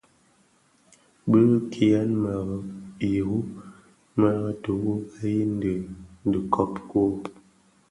Bi kinyèn-më iru bi duru beyin di dhikob wuō,